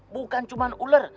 bukan cuman ular